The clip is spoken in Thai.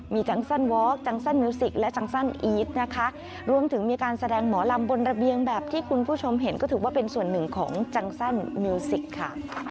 มีจังสั้นวอร์กจังสั้นมิวสิกและจังสั้นอีทนะคะรวมถึงมีการแสดงหมอลำบนระเบียงแบบที่คุณผู้ชมเห็นก็ถือว่าเป็นส่วนหนึ่งของจังสั้นมิวสิกค่ะ